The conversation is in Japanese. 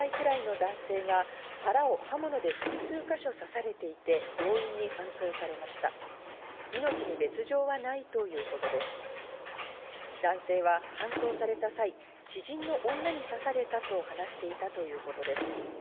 男性は搬送された際、知人の女に刺されたと話していたということです。